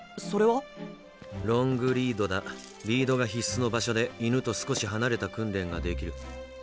リードが必須の場所で犬と少し離れた訓練ができる。